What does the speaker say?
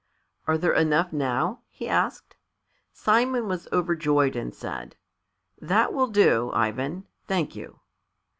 "Are there enough now?" he asked. Simon was overjoyed and said, "That will do, Ivan, thank you."